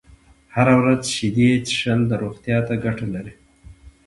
هره ورځ شيدې څښل روغتيا ته گټه لري